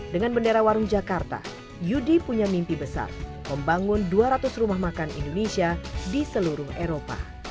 dengan bendera warung jakarta yudi punya mimpi besar membangun dua ratus rumah makan indonesia di seluruh eropa